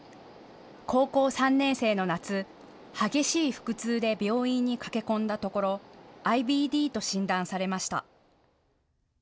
高校３年生の夏、激しい腹痛で病院に駆け込んだところＩＢＤと診断されました。